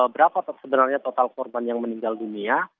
berapa sebenarnya total korban yang meninggal dunia